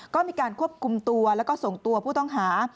ก็มีการควบคุมตัวแล้วก็ส่งตัวผู้ต้องหา